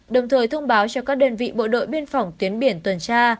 đồng thời thông báo cho các đơn vị bộ đội biên phòng tuyến biển tuần tra